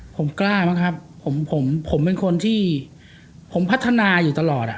ผมกล้ามั้งครับผมเป็นคนที่ผมพัฒนาอยู่ตลอด